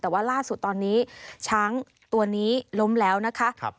แต่ว่าล่าสุดตอนนี้ช้างตัวนี้ล้มแล้วนะคะ